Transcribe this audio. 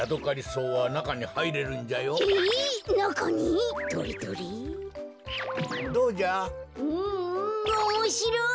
うんうんおもしろい！